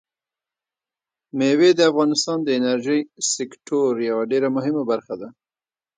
مېوې د افغانستان د انرژۍ سکتور یوه ډېره مهمه برخه ده.